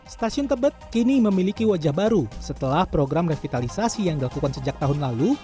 stasiun tebet kini memiliki wajah baru setelah program revitalisasi yang dilakukan sejak tahun lalu